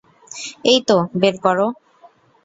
এইতো, বের করো!